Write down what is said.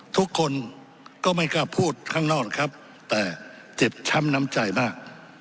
ทุกคนก็ไม่กล้าพูดข้างนอกครับแต่เจ็บช้ำน้ำใจมาก